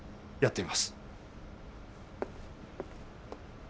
やってみます。